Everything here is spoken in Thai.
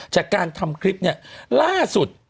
จากการทำคลิปเนี่ยล่าสุด